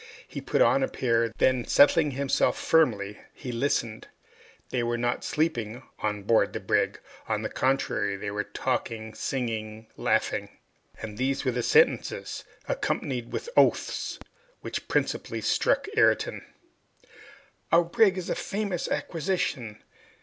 He put on a pair. Then settling himself firmly, he listened. They were not sleeping on board the brig. On the contrary, they were talking, singing, laughing. And these were the sentences, accompanied with oaths, which principally struck Ayrton: "Our brig is a famous acquisition."